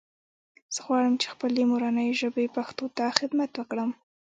زه غواړم چې خپلې مورنۍ ژبې پښتو ته خدمت وکړم